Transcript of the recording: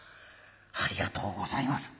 ありがとうございます」。